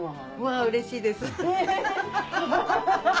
わぁうれしいです。